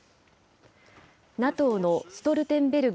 ＮＡＴＯのストルテンベルグ